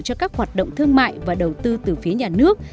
cho các hoạt động thương mại và đầu tư từ phía nhà nước